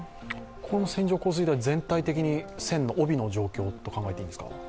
この線状降水帯、全体的に帯の状況と考えていいんですか？